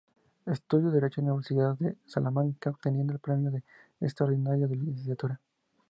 Estudió Derecho en la Universidad de Salamanca, obteniendo el Premio Extraordinario de Licenciatura.